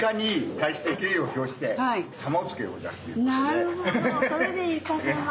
なるほどそれでいか様。